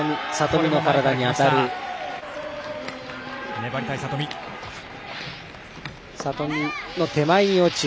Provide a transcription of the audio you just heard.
粘りたい里見。